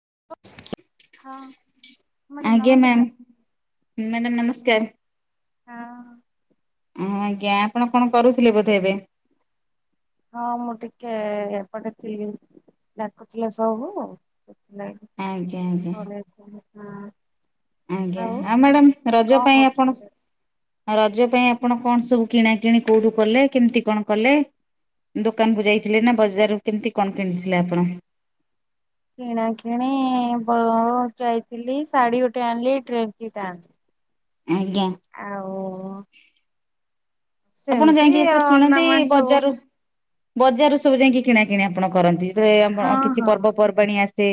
[inaudible] ହଁ ମ୍ୟାଡ଼ାମ ନମସ୍କାର। ମ୍ୟାଡ଼ାମ୍ ନମସ୍କାର। ହଁ [unintelligible] ହଁ, ଆଜ୍ଞା। ଆପଣ କଣ କରୁଥିଲେ ବୋଧେ ଏବେ? ହଁ, ମୁଁ ଟିକେ ଏପଟେ ଥିଲି। ଡାକୁଥିଲେ ସବୁ। ହଁ ଆଜ୍ଞା ଆଜ୍ଞା [unintelligible] ଆଜ୍ଞା, ଆଉ ମ୍ୟାଡାାମ, ରଜ କଣ ପାଇଁ ଆପଣ କରୁଛନ୍ତି? ରଜ ପାଇଁ ଆପଣ କଣ ସବୁ କିଣା କିିଣି, କୋଉଠୁ କଲେ? କେମିତି କଣ କଲେ? ଦୋକାନକୁ ଯାଇଥିଲେ ନା ବଜାରରୁ? କେମିତି କଣ କିଣିଥିଲେ ଆପଣ? କିଣା କିିଣି ଵ ଯାଇଥିଲି। ଶାଢୀ ଗୋଟେ ଆଣିଲି, ଟ୍ରେକ୍ ଦିଟା ଆଣିଲି ଆଜ୍ଞା ଆଉ ଆପଣ ସେମିତି ଯାଇକି [unintelligible] କିଣନ୍ତି ଅର୍ଣ୍ଣାମେଣ୍ଟ ସବୁ ବଜାରୁ ବଜାରୁ ସବୁ ଯାଇକି କିଣା କିିଣି ଆପଣ କରନ୍ତି। ରେ ହଁ [unintelligible] କିଛି ହଁ। ପର୍ବପର୍ବାଣୀ ଆସେ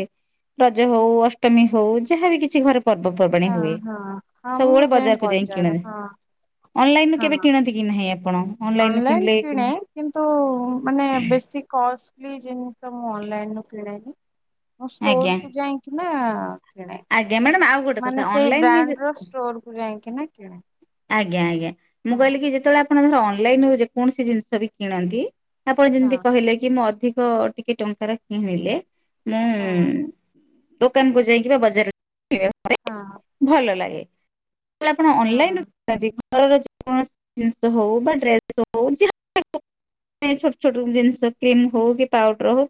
ରଜ ହଉ ଅଷ୍ଟମୀ ହଉ, ଯାହାବି କିଛି ଘରେ ପର୍ବପର୍ବାଣୀ ହଁ ହୁଏ ହଁ ହଁ ମୁଁ ସବୁବେଳେ ଯାଇଁ ବଜାରୁ ହଁ ଅନଲାଇନ୍ ରୁ ହଁ। କେବେ କିଣନ୍ତି କି ହେ [unintelligible] ଅନଲାଇନ କିଣେ କିନ୍ତୁ ମାନେ ବେଶୀ କଷ୍ଟ୍ ପ୍ଲିଜ, ଏ ଜିନିଷ ମୁଁ ଅନଲାଇନ ରୁ କିଣେଣି ମୁଁ ଆଜ୍ଞା ଷ୍ଟୋର କୁ ଯାଇକି ନାଁ ହଁ। କିଣେ, ଆଜ୍ଞା ମ୍ୟାଡାମ ଆଉ ଗୋଟେ କଥା ମାନେ ସେଇ ଅନଲାଇନରେ ବ୍ରାଣ୍ଡ ର ଷ୍ଟୋର କୁ ଯାଇକି, ନା କିଣେ ଆଜ୍ଞା, ଆଜ୍ଞା। ମୁଁ ହଁ କହିଲି, ଯେତେବେଳେ ଆପଣ ଧର ଅନ୍ ଅନଲାଇନ୍ ରୁ ଯେକୌଣସି ଜିନିଷ ବି କିଣନ୍ତି ଆପଣ ହଁ ଯେମିତି କହିଲେ କି ମୁଁ ଅଧିକ ତ ଟିକେ ଟଙ୍କାର କିଣିଲେ ହଁ [unintelligible] ଦୋକାନକୁ ଯାଇକି ବା ବଜାର [unintelligible] ହଁ ଭଲ ଲାଗେ। ତାଲେ ଆପଣ ଅନଲାଇନ୍ ହଁ ଘରରଣସି ଜିନିଷ ହଉ ବା ଡେସ ହଉ ଯ ଛୋଟ ଛୋଟ ଜିନିଷ କ୍ରିମ ହଉ କି ପାଉଡର ହଉ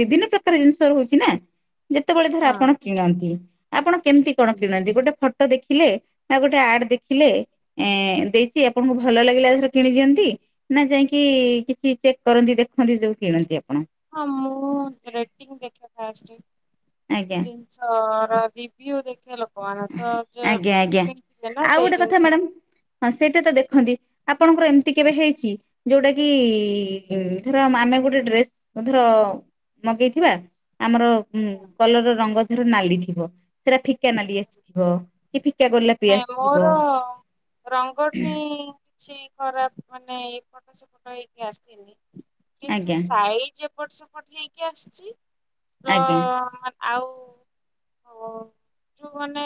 ବିଭିନ୍ନ ପ୍ରକାର ଜିନିଷ ରହୁଛି ନା। ଯେତେବେଳେ ଧର ହଁ ଆପଣ କିଣନ୍ତି। ଆପଣ କେମିତି କଣ ହଁ। କିଣନ୍ତି ଗୋଟେ ଦେଖିଲେ ନା ଗୋଟେ ଆଡ ଦେଖ ଦେେ ଏ ଦେଇଛି ଆପଣଙ୍କୁ ଭଲ ଲାଗିଲାଥର କିଣି ଦିଅନ୍ତି। ନା ଯାଇକି କିଛି ଚେକ୍ କରନ୍ତି ଦେଖନ୍ତି ସବୁ କିଣନ୍ତି ଆଣ ହଁ ମୁଁ ମୁଁ ରେଟିଂ ଦେଖିବା ପାଇଁ ଆସିଛି। ଆଜ୍ଞା [inaudible] ଜିନିଷ ପ୍ର ଦୀପି ଦେଖିବା ଲୋକ। ଆଜ୍ଞା ଆଜ୍ଞା ନା ଆଉ ସେଇ ଗୋଟେ କଥା ଜିନିଷକୁ ମ୍ୟାଡାମ ହଁ ସେଇଟା ତ ଦେଖନ୍ତି ଆପଣଙ୍କର ଏମିତି କେବେ ହେଇଛି ଯୋଉଟା କିି ଧର ଆମେ ଗୋଟେ ଡ୍ରେସ୍ ଧର ମଗେଇଥିବା ଆମର ହୁଁ କଲର ରଙ୍ଗ ର ନାଲି ଥିବ ସେଟା ଫିକା ନାଲି ଆସ ଥିବ କେବେ ନାଇଁ ମୋର ରଙ୍ଗଠି ସେଇ ଖରାପ ମାନେ ଏଇ ଫଟୋ ସେ ଫଟ ନେଇକି ଆସିଥିଲି। କିନ୍ତୁ ଆଜ୍ଞା ସାଇଜ ଏପଟ ସେପଟ ପଠେଇକି ଆସିଛି। ଆଜ୍ଞା ହଁ ଆଉ [inaudible] ଯୋଉ ମାନେ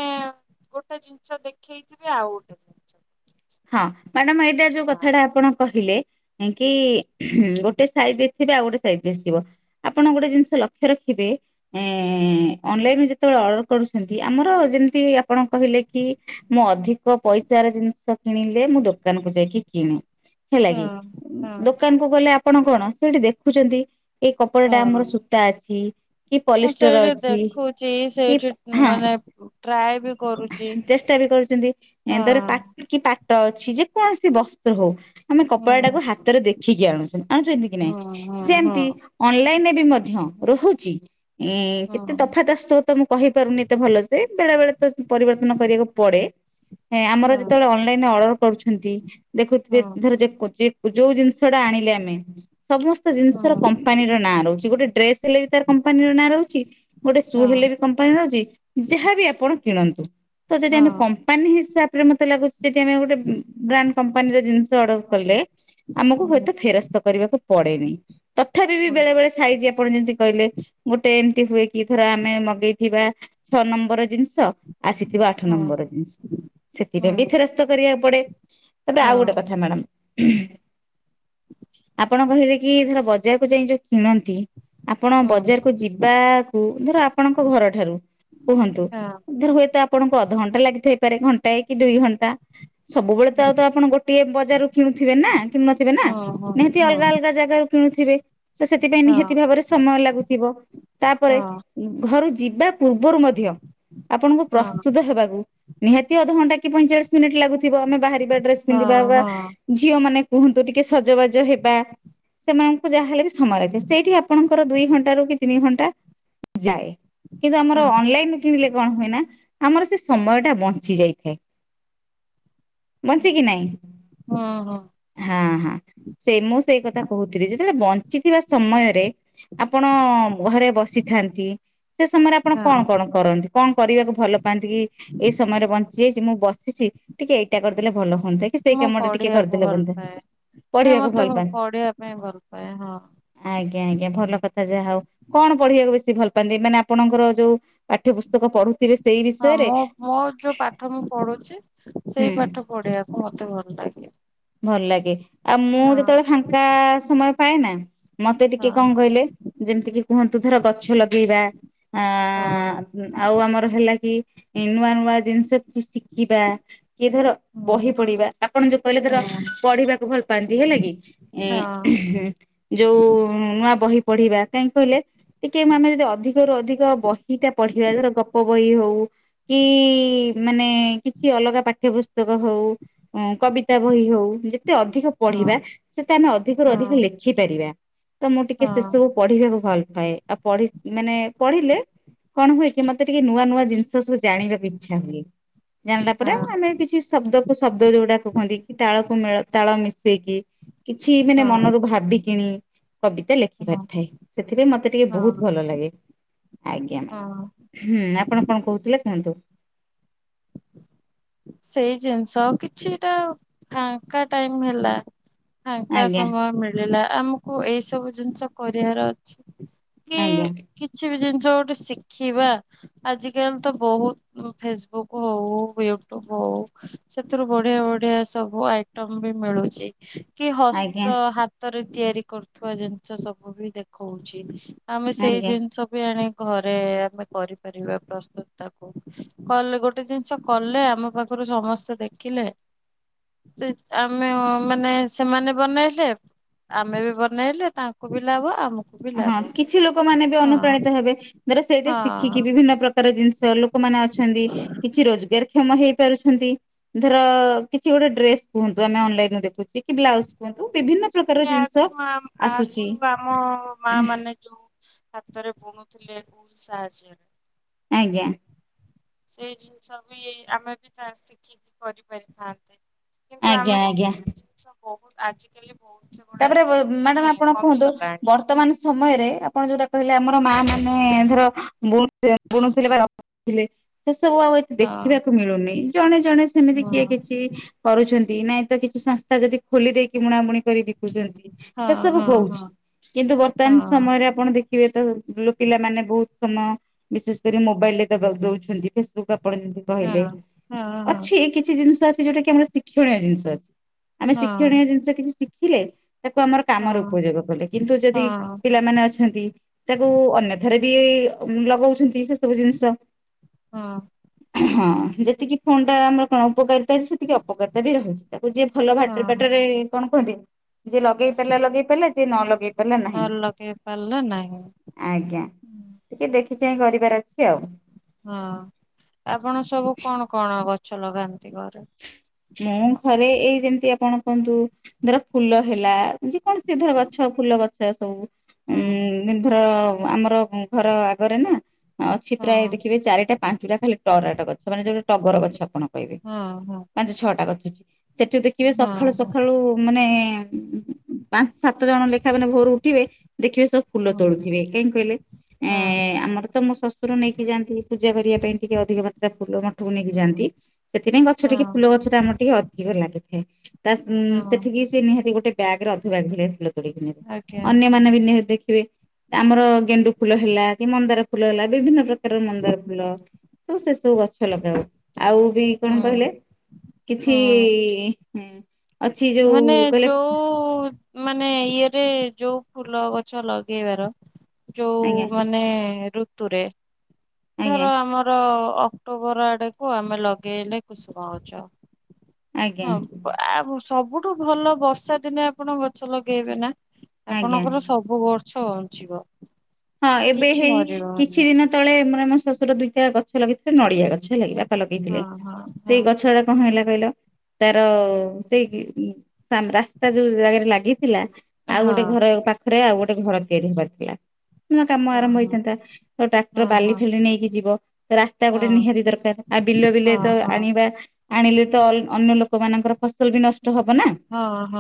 ଗୋଟେ ଗୋଟେ ଜିନିଷ ଦେଖେଇଥିବେ ଆଉ ଗୋଟେ ଜିନିଷ ହଁ ମାଡମ ଯୋଉ ହଁ କଥାଟା ଆପଣ କହିଲେ। କି ଗୋଟେ ସାଇଜ ଦେଇଥିବେ ଆଉ ଗୋଟେ ସାଇଜ ଦେଇ ଆସିବ ଆପଣ ଗୋଟେ ଜିନିଷ ଲକ୍ଷ୍ୟ ରଖିବେ। ଏଁ ଅନଲାଇନ ଯେତେବେଳେ ଅର୍ଡର କରୁଛନ୍ତି। ଆମର ଯେମିତି ଆପଣ କହିଲେ କି ମୁଁ ଅଧିକ ପଇସାର ଜିନିଷ କିଣିଲେ ମୁଁ ଦୋକାନକୁୁ ଯାଇକି କିଣେ। ହେଲା କିି ହଁ ହଁ ଦୋକାନ କୁ ଗଲେ ଆ ଆପଣ କଣ ସେଠି ଦେଖୁଛନ୍ତି। ଏଇ କପଡ଼ାଟା ଆମର ହଁ ସୂତା ଅଛି କି ମୁଁ ପଲିଷ୍ଟର ସେଇଠି ଅଛି ଦେଖୁଛି କି ସେଇଠି ହଁ ମାନେ ଟ୍ରାଏ ବି କରୁଛି [inaudible] ଚେଷ୍ଟା ବି କରୁଛନ୍ତି ହଁ ଧରେ ପା କି ପାଟ ଅଛି ଯେ କୌଣସି ବସ୍ତ୍ର ହଉ। ଆମେ ହୁଁ କପଡ଼ା ଟାକୁ ହାତରେ ଦେ ଠିକ୍ ଆଣୁ ଆମତି କି ନାଇଁ ହୁଁ ହୁଁ ସେମତି ଅନଲାଇନରେ ବି ମଧ୍ୟ ରହୁଛି। ଉଁ ହଁ କେତେ ତଫାତସ୍ତ ତ ମୁଁ କହିପାରୁନି ଏତେ ଭଲ ସେେ ବେଳେ ବେଳେ ତ ପରିବର୍ତ୍ତନ କରିବାକୁ ପଡେ ଏ ଆମର ଯେ ହଁ ଯେତେବେଳେ ଅନଲାଇନ ଅର୍ଡର କରୁଛନ୍ତି। ଦେଖୁଥିବେ ହଁ ଧର ଯେ ଯୋଉ ଜିନି ଜିନିଷଟା ଆଣିଲେ ଆମେ ସମସ୍ତ ଜିନିଷର କମ୍ପାନୀ ର ନାଁ ରହୁଛି। ଗୋଟେ ଡ୍ରେସ ହେଲେ ବି ତାର କମ୍ପାନୀ ର ନାଁ ରହୁଛି। ଗୋଟେ ସୁ ହେଲେ ହଁ ବି କମ୍ପାନୀ ରହୁଛି ଯାହାବି ଆପଣ କିଣନ୍ତୁ। ତ ଯଦି ଆମେ ହଁ କମ୍ପାନୀ ହିସାବ [inaudible] [unintelligible] ସେଠି ଆମେ ଗୋଟେ ବ୍ରାଣ୍ଡ କମ୍ପାନୀର ଜିନିଷ ଅର୍ଡର କଲେ ଆମକୁ ହୁଏତ ଫେରସ୍ତ କରିବାକୁ ପଡେନି। ତଥାପି ବି ହଁ ହଁ ବେଳେ ବେଳେ ସାଇଛି ଆପଣ ଯେମିତି କହିଲେ ଗୋଟେ ଏମିତି ହୁଏ କି ଧର ଆମେ ମଗେଇଥିବା ଛଅ ନମ୍ବର ଜିନିଷ ଆସିଥିବ ଆଠ ନମ୍ବର ଜିନିଷ ସେ ହୁଁ ବି ଫେରସ୍ତ କରିବାକୁ ପଡେ ହୁଁ ହଁ ହଁ ହଁ ତାପରେ ଆଉ ହଁ ଗୋଟେ କଥା ମ୍ୟାଡ଼ାମ ହୁଁ ଆପ କଣ କହିଲେ କି ଧର ବଜାରକୁ ଯାଇ ଯୋଉ କିଣନ୍ତି ଆପଣ ହଁ ହଁ ହଁ ବଜାରକୁ ଯିବାକୁ ଧର ଆପଣଙ୍କ ଘରଠାରୁ କୁହନ୍ତୁ। ଧର ହୁଏତ ଆ ଆପଣଙ୍କୁ ଅଧଘଣ୍ଟା ଲାଗିଥପାରେ। ଘଣ୍ଟାଏ କି ଦୁଇ ଘଣ୍ଟା ସବୁବେଳେ ତ ଆଉ ତ ଆପଣ ଗୋଟିଏ ବଜାରରୁ କିଣୁଥିବେ ନା। କିଣୁ ନଥିବେ ନା ହଁ ହଁ ନିହାତି ହଁ ଅଲଗା ଅଲଗା ଜାଗାରୁ ଶୁଣୁଥିବେ। ତ ସେଥିପାଇଁ ନିହାତି ହଁ ଭାବରେ ସମୟ ଲାଗୁଥିବ। ତାପରେ ଘରୁ ଯିବା ପୂ ର୍ବୁରୁ ମଧ୍ୟ ଆପଣଙ୍କୁ ପ୍ରସ୍ତୁତ ହେବାକୁ ନିହାତି ଅଧଘଣ୍ଟେ କିଇଁ ପାଇଚାଳିଶି ମିନିଟ ଲାଗୁଥି। ଆମେ ବାହାରିବା ଡ୍ରେସ ପିନ୍ଧିବା ବା ହଁ ଝିଅ ମାନେ କୁହନ୍ତୁ ଟିକେ ସଜବାଜ ହେବା ସେମାନଙ୍କୁ ଯାହାହେଲେ ବି ସେ ସମୟ ଲେ ସେଇଠି ଆପଣଙ୍କର ଦୁଇ ଘଣ୍ଟାରୁ କି ତିନି ଘଣ୍ଟା ଯାଏ। କିନ୍ତୁ ଆମର ଅନଲାଇନ କିଣିଲେ କଣ ହୁଏ ନା ଆମର ସେ ସମୟ ଟା ବଞ୍ଚି ଯାଇଥାଏ। ବଞ୍ଚେ କିି ନାଇଁ। ହଁ ହଁ ଆପଣ ଘରେ ବସିଥାନ୍ତି ସେ ସମୟରେ ଆପଣ କଣ ହଁ କଣ କରନ୍ତି କଣ କରିବାକୁ ଭଲ ପାଆନ୍ତି କି ଏଇ ସମୟରେ ବଞ୍ଚି ମୁଁ ବସିଛି ଟିକେ ଏଇଟା କରିଦେଲେ ଭଲ ହଆନ୍ତା କି ସେଇ ମୁଁ କାମ ଟା ଟିକେ ପଢିବାକୁ କରିଦେଲେ ଭଲ ହନ୍ତା ପାଏ ନାଇଁ ପଢିବାକୁ ମତେ ଭଲ ପ- ପାଆନ୍ତି ପଢିବା ପାଇଁ ଭଲ ପାଏ ହଁ। ଆଜ୍ଞା ଆଜ୍ଞା ଭଲ କଥା ଯାହା ହଉ କଣ ପଢିବାକୁ ବେଶୀ ଭଲ [inaudible] ମାନେ ଆପଣଙ୍କର ଯୋଉ ପାଠ୍ୟ ପୁସ୍ତକ ପଢୁଥିବେ ସେ ହଁ ମୁଁ ମୋର ଯୋଉ ପାଠ ମୁଁ ପଢୁଛି ସେଇ ହୁଁ ପାଠ ପଢିବାକୁ ମତେ ଭଲ ଲାଗେ ଭଲ ଲାଗେ ହଁ। ପାଏନା। ମତେ ଟିକେ ହଁ କଣ କହିଲେ ଯେମିତି କି କୁହନ୍ତୁ ଧର ଗଛ ଲଗେଇବା ଆ ହଁ ଆଉ ଆମର ହେଲା କି ନୂଆ ନୂଆ ଜିନିଷ କି ଶିଖିବା କିଏ ଧର ହୁଁ ବହି ପଢିବା ଆପଣ ଯୋଉ କହିଲେ ଧର ହଁ ପଢିବାକୁ ଭଲ ପାଆନ୍ତି ହେଲା କି ଏ ହଁ ଯୋଉ ନୂଆ ବହି ପଢିବା କାହିଁକି କହିଲେ ଟିକେ ଆମେ ଯଦି ଅଧିକରୁୁ ଅଧିକ ବହି ଟା ପଢିବା ଧର ଗପ ବହି ହଉ କି ମାନେ କିଛି ଅଲଗା ପାଠ୍ୟ ପୁସ୍ତକ ହଉ କବିତା ବହି ହଉ ଯା ତେ ଅଧିକ ହଁ। ପଢିବା ହଁ ତ ମୁଁ ଟିକେ ସେ ହଁ ସବୁ ପଢିବାକୁ ଭଲ ପାଏ ଆଉ ପଢି ମାନେ ପଢିଲେ କଣ ହୁଏ କି ମତେ ଟିକେ ନୂଆ ନୂଆ ଜିନିଷ ଜାଣିଲା ପରେ ହଁ ଆମେ କିଛି ଶବ୍ଦକୁୁ ଶବ୍ଦ ଯୋଉଟା କୁହନ୍ତି କି ତାଳକୁ ମେଳ ତାଳ ମିଶେଇକି କିଛି ମାନେ ହଁ ମନରୁ ଭାବିକିଣି କବିତା ଲେଖି ହଁ ପାରିଥାଏ ସେଥିପାଇଁ ମତେ ଟିକେ ବହୁତ ହଁ ଭଲ ଲାଗେ ଆଜ୍ଞା ହଁ। ମ୍ୟାଡ଼ାମ ହୁଁ ଆପଣ କଣ କହୁଥିଲେ କୁହନ୍ତୁ। ସେଇ ଜିନିଷ କିଛିଟା ଫାଙ୍କା ଟାଇମ ହେଲା ଫାଙ୍କା ଆଜ୍ଞା ସମୟ ମିଳିଲା ଆମକୁ ଏଇ ସବୁ ଜିନିଷ କରିବାର ଅଛି। କି ଆଜ୍ଞା କିଛି ବି ଜିନିଷ ଗୋଟେ ଶିଖିବା ଆଜିକାଲି ତ ବହୁତ ଫେସବୁକ୍ ହଉ ୟୁୁବ ଟ୍ୟୁବ ହୋଉ ସେଥିରୁ ବଢିଆ ବଢିଆ ସବୁ ଆଇଟମ ବି ମିଳୁ କି ଆଜ୍ଞା ହସ୍ତ ହାତରେ ତିଆରି କରୁଥିବା ଜିନିଷ ସବୁ ବି ଦେଖଉଛି। ଆମେ ସେଇ ଆଜ୍ଞା। ଜିନିଷ ବି ଆଣି ଘରେ ଆମେ କରିପାରିବା ପ୍ରସ୍ତୁତ ତାକୁ କଲେ ଗୋଟେ ଜିନିଷ କଲେ ଆମ ଆମ ପାଖରୁ ସମସ୍ତେ ଦେଖିଲେ [inaudible] ଆମେ ମାନେ ସେମାନେ ବନେଇଲେ ଆମେ ବି ବନେଇଲେ ତାଙ୍କୁ ବି ଲାଭ ଆମକୁ ବି ହଁ ଲାଭ କିଛି ଲୋକମାନେ ବି ହଁ ଅନୁପ୍ରାଣିତ ହେବେ ଧର ସେଇଠି ଶିଖିକି ହଁ। ବିଭିନ୍ନ ପ୍ରକାର ଜିନିଷ ଲୋକମାନେ ଅଛନ୍ତି କିଛି ରୋଜଗାର୍ କ୍ଷମ ହେଇ ପାରୁଛନ୍ତି, ଧର କିଛି ଗୋଟେ ଡ୍ରେସ୍ କୁହନ୍ତୁ ଆମେ ଅନଲାଇନରେ ଦେଖୁଛେ କି ବ୍ଲାଉଜ କୁହନ୍ତୁ ବିଭିନ୍ନ ପ୍ରକାର ଜିନିଷ [unintelligible] [inaudible] ଆସୁଛି ମାଆ ମାନେ ଯୋଉ ହାତରେ ବୁଣୁ ଥିଲେ ସାହାଯ୍ୟରେ। ଆଜ୍ଞା। ସେଇ ଜିନିଷ ବି ଆମେ ବି ତା ଶିଖିକି କରିପାରିଥାନ୍ତେ। କିନ୍ତୁ ଆଜ୍ଞା ଆମେ ଆଜ୍ଞା ସେ [inaudible] ଜିନିଷ ବହୁତ୍ ଆଜିକାଲି। ବହୁତ ସେଗୁଡା ତାପରେ ମ୍ୟାଡାମ୍ ମାନେ ଆପଣ କୁହନ୍ତୁ କମିଗଲାଣି ବର୍ତ୍ତମାନ ସମୟରେ ଆପଣ ଯୋଉଟା କହିଲେ ଆମର ମାଆମାନେ ଧର ବୁଣୁ ବୁଣୁଥିଲେ ବା ରଖୁଥିଲେ। ସେ ସବୁ ଆଉ ଏଠି ହଁ ଦେଖିବାକୁ ମିଳୁନି। ଜଣେ। ଜଣେ ସେମିତି କିଏ କିଛି କରୁଛନ୍ତି। ନାଇଁ ତ କିଛି ସଂସ୍ଥା ଯଦି ଖୋଲି ଦେଇକି ବୁଣାବୁଣି କରିବେ। [inaudible] ହଁ ସେ ସବୁ ହଁ ହଁ ହଉଛି କିନ୍ତୁ ବର୍ତ୍ତମାନ ହଁ। ସମୟରେ ଆପଣ ଦେଖିବେ ତ ଲୋ ପିଲାମାନେ ବହୁତ ସମୟ ବିଶେଷ କରି ମୋବାଇଲରେ ଦବା ଦଉଛନ୍ତି। ଫେସବୁକ୍ ଆପଣ ଯେମିତି ହଁ କହିଲେ ହଁ ହଁ ଅଛି କିଛି ଜିନିଷର୍ ଯଉଟା କି ଆମର ଶିକ୍ଷଣୀୟ ଜିନିଷ ଅଛି। ଆମେ ହଁ ଶିକ୍ଷଣୀୟ ଜିନିଷ କିଛି ଶିଖ୍ ଥିଲେ। ତାକୁ ଆମର ହଁ କାମରେ ହଁ ଉପଯୋଗ କଲେ, କିନ୍ତୁ ଯଦି ହଁ ପିଲାମାନେ ଅଛନ୍ତି ତାକୁ ଅନ୍ୟଥାରେ ବି ଲଗଉଛନ୍ତି ସେ ସବୁ ଜିନିଷ। ହଁ। ହଁ ଯେତିକି ଫୋନଟା ଆମର କଣ ଉପକାରିତା ଅଛି ସେତିକି ଅପକାରିତା ବି ରହୁଛି ତାର୍। ଯିଏ ଭଲ ଭାଟରେ ହଁ ଫାଟରେ କଣ କୁହନ୍ତି। ଯିଏ ଲଗେଇ ପାରିଲା ଲଗେଇ ପାରିଲା ଯିଏ ନ ଲଗେଇ ପାରିଲା ନ ନାହିଁ। ଲଗେଇ ପାରିଲା ନାହିଁ। ଆଜ୍ଞା ଟିକେ ଦେଖି ଚାହିଁ କରିବାର ଅଛି ଆଉ। ହଁ ଆପଣ ସବୁ କଣ କଣ ଗ ଛ ଲଗାନ୍ତି ଘରେ? ମୁଁ ଘରେ ଏଇ ଯେମିତି ଆପଣ କୁହନ୍ତୁ ଧର ଫୁଲ ହେଲା ଯେକୌଣସି ଧର ଗଛ ଫୁଲ ଗଛ ସବୁ। ହଁ। ହୁଁ [unintelligible] ଆମର ଘର ଆଗରେ ନା ହଁ ଅଛି ପ୍ରାୟ ଦେଖିବେ ଚାରିଟା ପାଞ୍ଚଟା ଖାଲି ଟରାଟା ଗଛ ମାନେ ଯୋଉଟେ ଟଗର ଗଛ ଆପଣ ହଁ ହଁ। ଆଜି ଛଅଟା କରିୁଛି। ସେଠୁ ଦେଖିବେ ହଁ ସକାଳୁ ହଁ ସକାଳୁ ମାନେ ପାଞ୍ଚ ସାତ ଜଣ ଲେଖା ମାନେ ଭୋରୁ ଉଠିବେ। ଦେଖିବେ ସବୁ ଫୁଲ ହଁ ତୋଳୁଥିବେ କାହିଁକି କହିଲେ ଏ ହଁ ଆମର ତ ମୋ ଶ୍ୱଶୁର ନେଇକି ଯାଆନ୍ତି। ପୂଜା କରିବା ପାଇଁ ଟିକେ ଅଧିକ ମାତ୍ରା ଫୁଲ ମଠକୁ ନେଇକି ଯାଆନ୍ତି। ସେଥିପାଇଁ ଗଛ ଟିକେ ହଁ ଫୁଲ ଗଛ ତ ଆମର ଟିକେ ଅଧିକ ଲାଗେ। ହୁଁ। ତା ହଁ ସେଠିକି ସେ ନିହାତି ଗୋଟେ ବ୍ୟାଗରେ ଅଧୁ ବଗ୍ ହେିଲ ତୋଳି କିରେ ଆଜ୍ଞା ଅନ୍ୟମାନେ ବି ନିହାତି ଦେ ଆମର ଗେଣ୍ଡୁ ଫୁଲ ହେଲା କି ମନ୍ଦର ଫୁଲ ହେଲା ବିଭିନ୍ନ ପ୍ରକାର ମନ୍ଦାର ଫୁଲ ସବୁ ସେ ସବୁ ଗଛ ଲଗାଉ। ଆଉ ବି କଣ ହୁଁ କହିଲେ କିଛି। ହୁଁ ହୁଁ। ଅଛି ଯୋଉ ମାନେ କହିଲେ ଯୋଉ ମାନେ ଇଏରେ ଯୋଉ ଫୁଲ ଗଛ ଲଗେଇବାର ଯୋଉ ଆଜ୍ଞା ମାନେ ଋତୁରେ। ଆଜ୍ଞା ଧର ଆମର ଅକ୍ଟୋବର ଆଡକୁ ଆମେ ଲଗେଇଲେ କୁସୁମ ଗଛ। ଆଜ୍ଞା ହଁ ଆ ବର୍ଷ ସବୁଠୁ ଭଲ ବର୍ଷା ଦିନେ ଆପଣ ଗଛ ଲଗେଇବେ ନା ଆଜ୍ଞା ଆପଣଙ୍କର ସବୁ ଗ ଛ ବଞ୍ଚିବ। ହଁ ଏବେ କିଛି ହେଇ କିଛି ମରିବନି ଦିନ ତଳେ ପରା ଆମ ସସ ଗ ଦୁଇଟା ଗଛ ଲାଗିଥିଲା ନଡିଆ ଗଛ ଲାଗିବିବା। ହଁ ଲଗେଇଥିଲେ ହଁ ହଁ ସେଇ ଗଛ ଟା କଣ ହେଲା। କିଲ ତାର ହଁ ସେଇ ଁ ରାସ୍ତା ଯୋଉ ଜାଗାରେ ଲାଗି ଥିଲା ଆଉ ହଁ ଗୋଟେ ଘର ପାଖରେ ଆଉ ଗୋଟେ ଘର। ସେରି ପଥିଲା। ନୂଆ କାମ ହଁ ଆରମ୍ଭ ହଁ ହେଇଥାନ୍ତା ତ ଟ୍ରାକ୍ଟର ବାଲି ଫେଲି ନେଇକି ଯିବ ରାସ୍ତା ଗୋଟେ ନିହାତି ଦରକାର ଆଉ ବିଲ ବିଲ ତ ଆଣିବା ଆଣିଲେ ତ ଅନ୍ୟ ଲୋକ। ଲୋକମାନଙ୍କର ଫସଲ ବି ନଷ୍ଟ ହବ ନା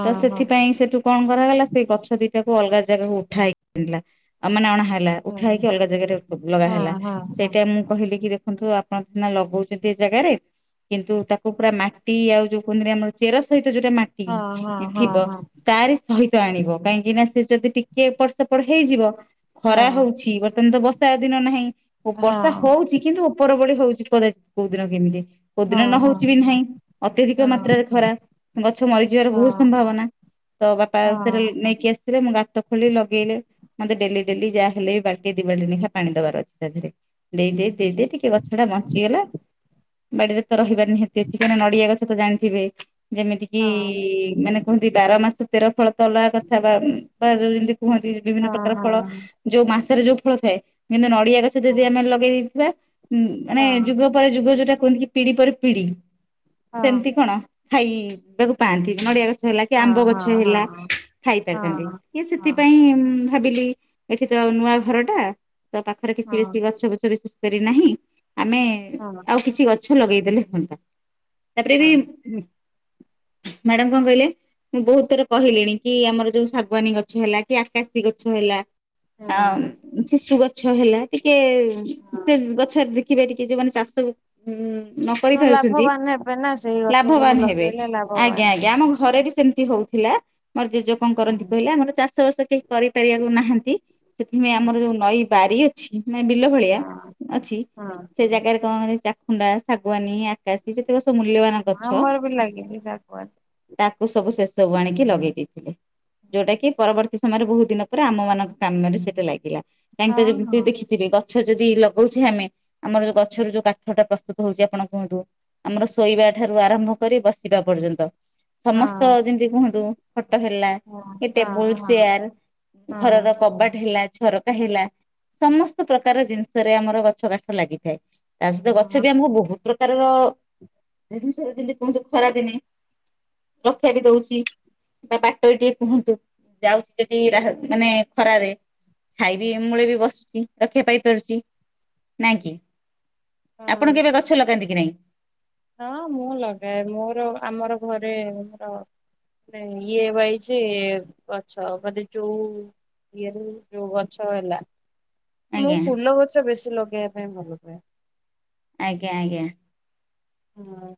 ତ ସେଥିପାଇଁ ସେଠୁ କଣ କରାଗଲା। ସେଇ ଗଛ ଦିଟା ତାକୁ ଅଲଗା ଜାଗାକୁ ଉଠା ହେଇକ ଆଣିଲା। ଅମନ ଲା ଉଠା ହେଇକି ଅଲଗା ଜାଗାରେ ଲଗା ହେଲା। ସେଇଟା ମୁଁ କହିଲି କି ଦେଖନ୍ତୁ ଆପଣ ଦ ଲଗଉଛନ୍ତି ଏ ଜାଗାରେ। କିନ୍ତୁ ତାକୁ ପୁରା ମାଟି ଆଉ ଯୋଉ କ ଆମର ଚେର ସହିତ ଯୋଉଟା ମାଟି ଥିବ ତାରି ସହିତ ଆଣିବ କାହିଁକି ନା ସେ ଯଦି ଟିକେ ପ ସେପଟ ହେଇଯିବ। ଖରା ହଉଚି ବର୍ତ୍ତମାନ ତ ବ ତା ଦିନ ନାହିଁ। ଓ ବର୍ଷା ହଉଚି କିନ୍ତୁ ଉପର ଓଳି ହଉଚି [unintelligible] କୋଉ ଦିନ କେମିତି। କୋଉଦିନ ନ ହଉଚି ବି ନାହିଁ ଅତ୍ୟଧିକ ମାତ୍ରାରେ ଖରା ଗଛ ମରିଯିବାର ବହୁତ ସମ୍ଭାବନା ତ ବାପା ସେରା ନେଇକି ଆସି ହେତିରେ ମୁଁ ଗାତ ଖୋଲି ଲଗେଇଲି ମତେ ଡେଲି ଡେଲି ଯାହା ହେଲେ ବି ବାଲଟି ଦି ବାଲଟି ଲଖା ପାଣି ଦବାର ଅଛି ତା ଦେହରେ ଦେଇ ଦେଇ ଦେଇ ଦେଇ ଟିକେ ଗଛ ଟା ବଞ୍ଚିଗଲା ବାଡିରେ ତ ରହିବାର ନିହାତି ଅଛି କା ନଡିଆ ଗଛ ତ ଜାଣି ଥିବେ ଯେମିତି କିି ମାନେ କୁହନ୍ତି ବାର ମାସ ତେର ଫଳ ତ ଅଲଗା କଥା ବା କା ଯୋଉ ଯେମିତି କୁହନ୍ତି ବିଭିନ୍ନ ପ୍ରକାର ଫଳ ଯୋଉ ମାସ ଭିତରେ ଫଳ ଥାଏ ଯେନ୍ତି ନଡ଼ିଆ ଗଛ ଯଦି ଆମେ ଲଗେଇ ଦେଇଥିବା ହୁଁ ମାନେ ଯୁଗ ପରେ ଯୁଗ ଯୋଉଟା କୁହନ୍ତି କି ପିଢି ପରେ ପିଢ଼ି ସେମିତି କଣ? ଖାଇବାକୁ ପାଆନ୍ତି ନଡ଼ିଆ ଗଛ ହେଲା କି ଆମ୍ବ ଗଛ ହେଲା ଖାଇ ପାରିଥାନ୍ତି କି ସେଥିପାଇଁ ଭାବିଲି ଏଠି ତ ଆ ନୂଆ ଘର ଟା ତ ପାଖରେ କିଛି ବେଶୀ ଗଛ ବଛ ବେଶୀ ନାହିଁ ଆମେ ଆଉ କିଛି ଗଛ ଲଗେଇଦେଲେ ହୁଅନ୍ତା ତାପରେ ବି ମ୍ୟାଡାମ କଣ କହିଲେ ମୁଁ ବହୁତ ଥର କହିଲିଣି କି ଆମର ଯୋଉ ଶାଗବାନୀ ଗଛ ହେଲା କି ଆକାଶୀ ଗଛ ହେଲା ଆ ଶିଶୁ ଗଛ ହେଲା ଟିକେ ସେ ଗଛରେ ଦେଖିବା ଟିକେ କି ଯଉମାନେ ଚାଷ ହୁଁ ନ କରି ପାରୁଛନ୍ତି ଲାଭବାନ ହେବେ ନା ସେଇ ଗଛ ସବୁ ଲାଭବାନ ହେବେ ଲଗେଇଲେ ଆଜ୍ଞା ଲାଭବାନ ଆଜ୍ଞା ଆମ ଘରେ ବି ସେମତି ହଉଥିଲା ମୋର୍ ଜେଜେ କଣ କରନ୍ତି ହଁ। କହିଲେ ଆମର ଚାଷ ଷ ବାସ କେହି କରିପାରିବାକୁ ନାହାନ୍ତି। [unintelligible] ସେଥିପାଇଁ ଆମର ଯୋଉ ନଈ ବାରି ଅଛି ମାନେ ବିଲ ଭଳିଆ ହଁ ଅଛି ହଁ ସେ ହଁ ଜାଗାରେ କଣ ଖୁଣ୍ଡା ଶାଗୁଆାନୀ ଆକାଶୀ ଯେତେ ଆମର ବି ଲାଗିଚି ଶାଗୁଆନ ତାକୁ ସବୁ ସେ ସବୁ ଆଣିକି ଲଗେଇ ଦେଇଥିଲେ। ଯୋଉଟା କି ପରବର୍ତ୍ତୀ ସେ ସମୟରେ ବହୁତ ଦିନ ପରେ ଆମ ମାନଙ୍କ କାମରେ ସେଟା ଲାଗିଲା କାହିକି ତ ହଁ ଯେମିତି ହଁ। ଦେଖିଥିବେ ଗଛ ଯଦି ଲଗାଉଛେ ଆମେ ଆମର ଯୋଉ ଗଛରୁ ଯୋଉ କାଠ ଟା ପ୍ରସ୍ତୁତ ହଉଛି ଆପଣ କୁହନ୍ତୁ ଆମର ଶୋଇବା ଠାରୁ ଆରମ୍ଭ କରି ବସିବା ପର୍ଯ୍ୟନ୍ତ ସମସ୍ତ ହଁ ଯେମିତି କୁହନ୍ତୁ ଫଟୋ ହେଲା ହଁ ଏ ହଁ ଟେବୁଲ ହଁ ଚେୟାର ହଁ। ଘରର ହେଲା ଝରକା ହେଲା ସମସ୍ତ ପ୍ରକାର ଜିନିଷରେ ଆମର ଗଛ କାଠ ଲାଗିଥାଏ। ତା ସହିତ ଗଛ ହଁ ବି ଆମକୁ ବହୁତ ପ୍ରକାରର ଜିନିଷ ଯେମିତି କୁହନ୍ତୁ ଖରା ଦିନେ ରକ୍ଷା ବି ଦଉଛି ବା ବାଟ ବି ଟିକେ କୁହନ୍ତୁ ଯାଉଛି ଯଦି ମାନେ ଖରାରେ ଛାଇ ବି ମୂଳେ ବି ବସୁଛି ରକ୍ଷା ପାଇ ପାରୁଛି ନାଇଁ କି ଆପଣ ହଁ କେବେ ଗଛ ଲଗାନ୍ତି କି ନାହିଁ? ହଁ ମୁଁ ଲଗାଏ ମୋର ଆମର ଘରେ ମୋର ମାନେ ଇଏ ୱାଇଛି ଗଛ ମାନେ ଯୋଉ ଇଏରୁ ଯୋଉ ଗଛ ହେଲା। ମୁଁ ଆଜ୍ଞା ଫୁଲ ଗଛ ବେଶୀ ଲଗେଇବା ପାଇଁ ଭଲ ପାଏ। ଆଜ୍ଞା ଆଜ୍ଞା। ହଁ।